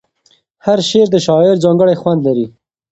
هر شعر د شاعر ځانګړی خوند لري.